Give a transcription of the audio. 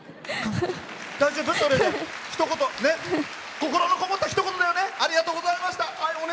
心のこもった一言だよね。